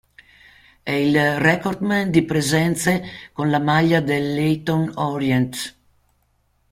È il recordman di presenze con la maglia del Leyton Orient.